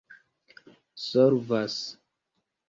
solvas